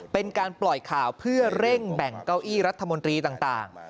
เป็นการปล่อยข่าวเพื่อเร่งแบ่งเก้าอี้รัฐมนตรีต่าง